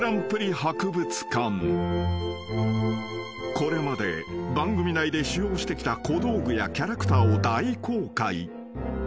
［これまで番組内で使用してきた小道具やキャラクターを大公開］